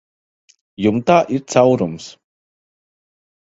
Jumtā ir caurums.